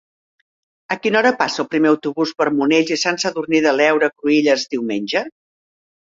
A quina hora passa el primer autobús per Monells i Sant Sadurní de l'Heura Cruïlles diumenge?